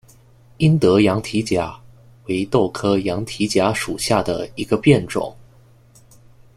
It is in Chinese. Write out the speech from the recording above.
英德羊蹄甲为豆科羊蹄甲属下的一个变种。